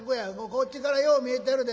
こっちからよう見えてるで。